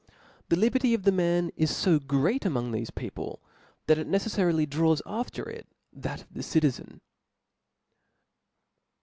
The liberty of the man is fo great among rfieiib people, that it necefTarily draws after it that of the citizen.